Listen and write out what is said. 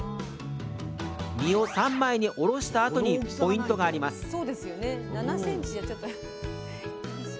身を３枚におろしたあとにポイントがあります